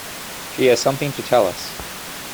She has something to tell us.